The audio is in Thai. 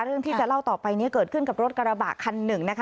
เรื่องที่จะเล่าต่อไปนี้เกิดขึ้นกับรถกระบะคันหนึ่งนะคะ